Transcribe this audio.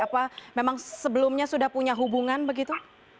apa memang sebelumnya sudah punya hubungan begitu